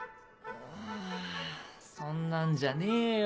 んそんなんじゃねえよ。